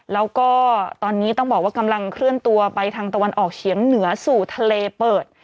แล้วก็ตอนนี้ต้องบอกว่ากำลังเคลื่อนตัวไปทางตะวันออกเฉียงเหนือสู่ทะเลเปิด